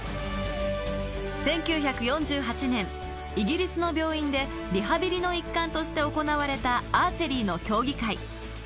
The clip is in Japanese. １９４８年、イギリスの病院でリハビリの一環として行われたアーチェリーの競技会。